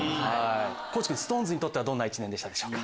地君ＳｉｘＴＯＮＥＳにとってどんな一年でしたでしょうか？